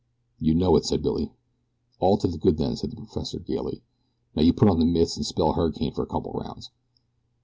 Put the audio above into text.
"You know it," said Billy. "All to the good then," said the professor gaily; "now you put on the mitts an' spell Hurricane for a couple o' rounds."